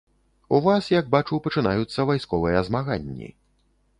У вас, як бачу, пачынаюцца вайсковыя змаганні.